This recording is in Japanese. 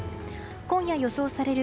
今夜、予想される